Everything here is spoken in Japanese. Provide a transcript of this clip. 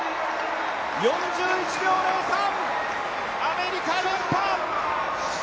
４１秒０３、アメリカ連覇。